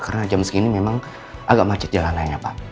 karena jam segini memang agak macet jalanannya pak